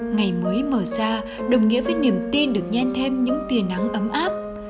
ngày mới mở ra đồng nghĩa với niềm tin được nhen thêm những tìa nắng ấm áp